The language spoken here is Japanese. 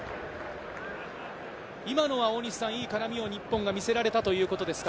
今のはいい絡みを日本が見せられたということですか？